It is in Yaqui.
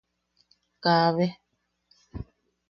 Kaabe.